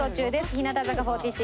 日向坂４６